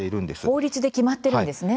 法律で決まっているんですね。